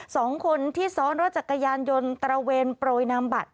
สองคนที่ซ้อนรถจักรยานยนต์ตระเวนโปรยนำบัตร